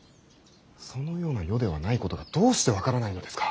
そのような世ではないことがどうして分からないのですか。